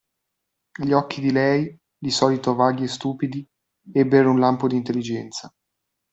Gli occhi di lei, di solito vaghi e stupidi, ebbero un lampo di intelligenza.